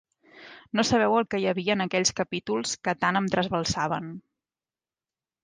No sabeu el què hi havia en aquells capítols que tant em trasbalsaven.